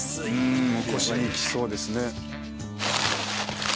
腰にきそうですね。